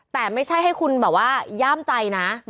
แต่ไม่ใช่ให้คุณแบบว่าย่ามใจนะ